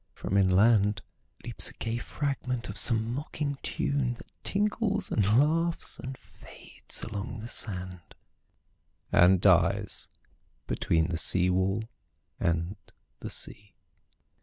From inlandLeaps a gay fragment of some mocking tune, That tinkles and laughs and fades along the sand, And dies between the seawall and the sea.